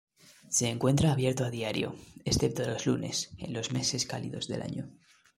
Se encuentra abierto a diario, excepto los lunes, en los meses cálidos del año.